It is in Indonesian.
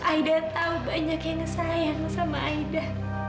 aida tahu banyak yang ngesayang sama aida